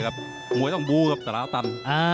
ภูมิต้องบูครับสละตัน